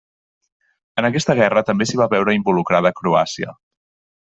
En aquesta guerra també s'hi va veure involucrada Croàcia.